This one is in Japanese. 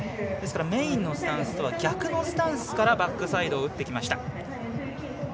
ですから、メインのスタンスとは逆のスタンスからバックサイドを打ってきました。